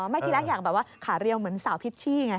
ทีแรกอยากแบบว่าขาเรียวเหมือนสาวพิชชี่ไง